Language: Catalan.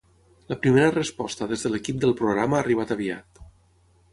La primera resposta des de l’equip del programa ha arribat aviat.